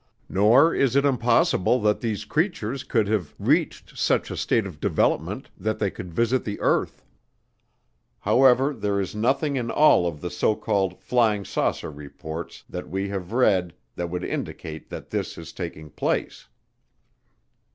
Nor is it impossible that these creatures could have reached such a state of development that they could visit the earth. However, there is nothing in all of the so called "flying saucer" reports that we have read that would indicate that this is taking place.